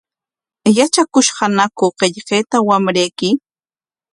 ¿Yatrakushqañaku qillqayta wamrayki?